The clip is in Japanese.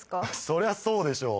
そりゃそうでしょ